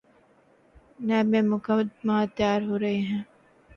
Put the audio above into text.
NAB میں مقدمات تیار ہو رہے ہیں۔